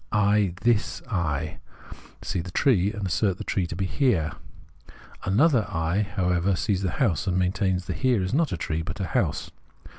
I, tins I, see the tree, and assert the tree to be the Here ; another I, however, sees the house and maintains the Here is not a tree but a house.